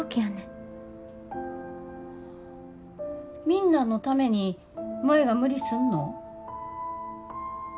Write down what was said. みんなのために舞が無理すんの？